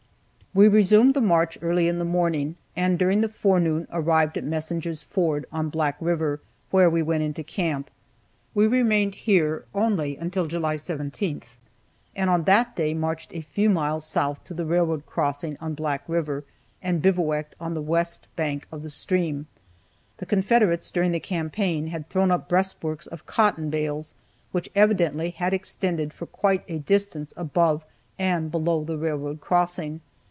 We resumed the march early in the morning, and during the forenoon arrived at Messinger's ford, on Black river, where we went into camp. We remained here only until July 17, and on that day marched a few miles south to the railroad crossing on Black river, and bivouacked on the west bank of the stream. The Confederates during the campaign had thrown up breastworks of cotton bales, which evidently had extended for quite a distance above and below the railroad crossing.